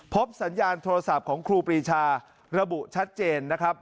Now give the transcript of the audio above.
สัญญาณโทรศัพท์ของครูปรีชาระบุชัดเจนนะครับ